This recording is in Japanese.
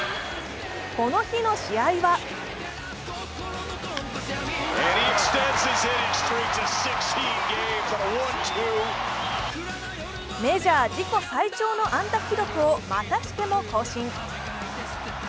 この日の試合はメジャー自己最長の安打記録をまたしても更新。